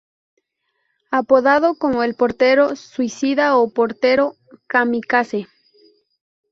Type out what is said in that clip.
Apodado como el portero suicida o portero kamikaze.